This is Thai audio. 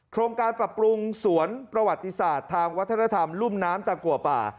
โครงการปรับปรุงสวนประวัติศาสตร์ทางวัฒนธรรมรุ่มน้ำตะกัวป่า